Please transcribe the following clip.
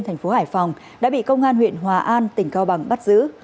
thành phố hải phòng đã bị công an huyện hòa an tỉnh cao bằng bắt giữ